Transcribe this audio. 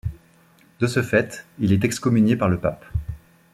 De ce fait, il est excommunié par le pape.